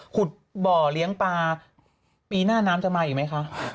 ขุดบ่อเลี้ยงปลาปีหน้าน้ำจะมาอีกไหมคะ